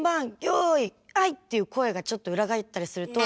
よいはい！」っていう声がちょっと裏返ったりすると。